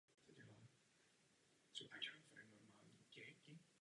Zároveň musí být nejprodávanější knihou z hlediska počtu prodaných kusů.